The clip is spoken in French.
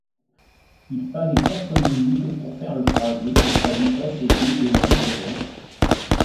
Il fallait quatre minutes pour faire le trajet et sa vitesse était de environ.